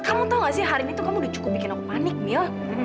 kamu tau gak sih hari ini tuh kamu udah cukup bikin aku panik mil